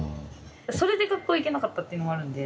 それで学校行けなかったっていうのもあるんで。